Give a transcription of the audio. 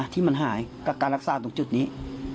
ที่มันหายกับการรักษาตรงจุดนี้